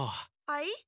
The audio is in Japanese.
はい？